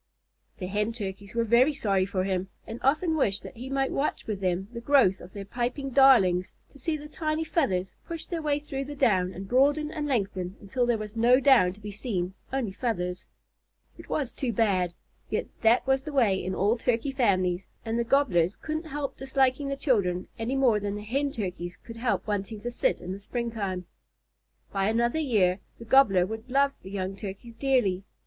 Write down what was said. The Hen Turkeys were very sorry for him, and often wished that he might watch with them the growth of their piping darlings, to see the tiny feathers push their way through the down and broaden and lengthen until there was no down to be seen only feathers. It was too bad; yet that was the way in all Turkey families, and the Gobblers couldn't help disliking the children any more than the Hen Turkeys could help wanting to sit in the springtime. By another year the Gobbler would love the young Turkeys dearly.